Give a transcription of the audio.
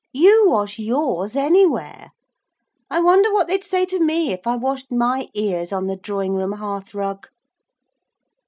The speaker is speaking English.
You wash yours anywhere I wonder what they'd say to me if I washed my ears on the drawing room hearthrug?'